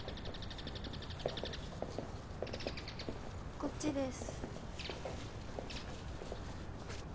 こっちです。